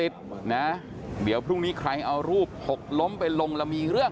นะเดี๋ยวพรุ่งนี้ใครเอารูปหกล้มไปลงแล้วมีเรื่อง